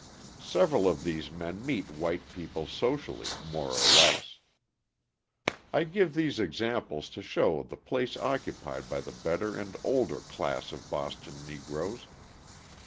Several of these men meet white people socially more or less. I give these examples to show the place occupied by the better and older class of Boston Negroes.